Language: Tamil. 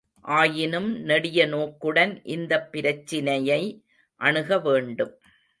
ஆயினும் நெடிய நோக்குடன் இந்தப் பிரச்சினையை அணுகவேண்டும்.